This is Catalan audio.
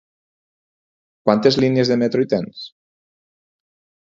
Quantes línies de metro hi tens?